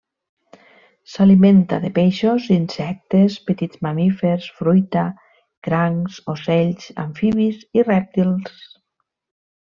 S'alimenta de peixos, insectes, petits mamífers, fruita, crancs, ocells, amfibis i rèptils.